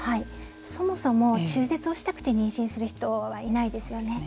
そもそも中絶をしたくて妊娠する人は維那にですよね。